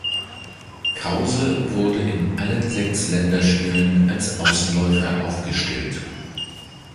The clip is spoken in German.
Krause wurde in allen sechs Länderspielen als Außenläufer aufgestellt.